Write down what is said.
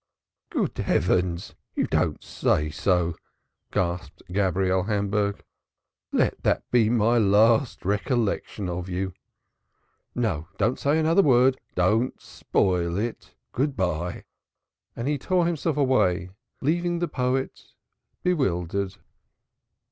"Good heavens! You don't say so?" gasped Gabriel Hamburg. "Let that be my last recollection of you! No! Don't say another word! Don't spoil it! Good bye." And he tore himself away, leaving the poet bewildered.